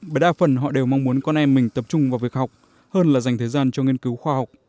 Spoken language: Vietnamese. bởi đa phần họ đều mong muốn con em mình tập trung vào việc học hơn là dành thời gian cho nghiên cứu khoa học